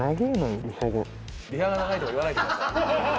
リハが長いとか言わないでください。